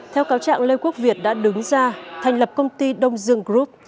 theo cáo trạng lê quốc việt đã đứng ra thành lập công ty đông dương group